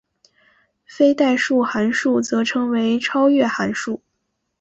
非代数函数则称为超越函数。